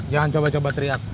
jangan coba coba teriak